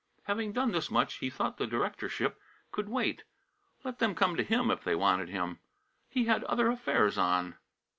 Having done this much he thought the directorship could wait. Let them come to him if they wanted him. He had other affairs on.